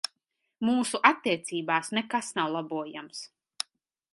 Mūsu attiecībās nekas nav labojams.